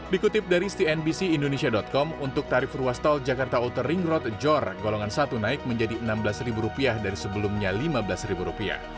dikutip dari cnbc indonesia com untuk tarif ruas tol jakarta outer ring road jor golongan satu naik menjadi rp enam belas dari sebelumnya rp lima belas